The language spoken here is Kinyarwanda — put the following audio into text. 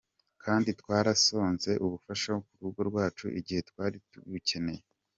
"Kandi twararonse ubufasha mu rugo rwacu igihe twari tubukeneye.